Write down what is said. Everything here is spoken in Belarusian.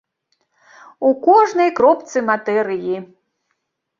У кожнай кропцы матэрыі.